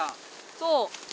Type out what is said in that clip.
そう。